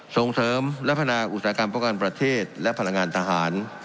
ส่งเสริมและพัฒนาอุตสาหกรรมป้องกันประเทศและพลังงานทหาร